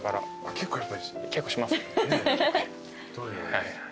結構します。